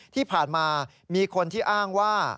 ที่ผ่านมามีคนที่อ้างว่า